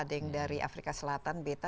ada yang dari afrika selatan beta